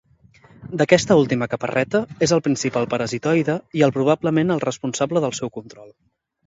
D'aquesta última caparreta, és el principal parasitoide i el probablement el responsable del seu control.